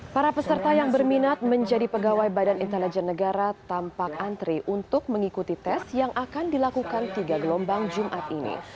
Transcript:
para peserta yang berminat menjadi pegawai badan intelijen negara tampak antri untuk mengikuti tes yang akan dilakukan tiga gelombang jumat ini